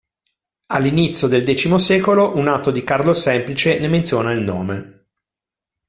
All'inizio del X secolo un atto di Carlo il Semplice ne menziona il nome.